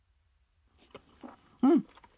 うん！